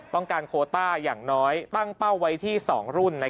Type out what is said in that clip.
ต้องการโคต้าอย่างน้อยตั้งเป้าไว้ที่๒รุ่น